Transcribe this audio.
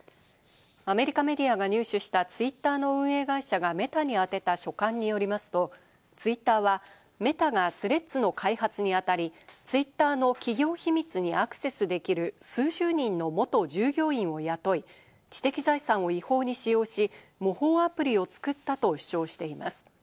アメリカメディアが入手したツイッターの運営会社がメタに宛てた書簡によりますと、ツイッターは、メタがスレッズの開発にあたり、ツイッターの企業秘密にアクセスできる数十人の元従業員を雇い、知的財産を違法に使用し、模倣アプリを作ったと主張しています。